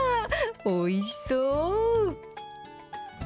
おいしそう。